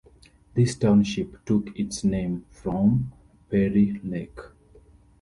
This township took its name from Perry Lake.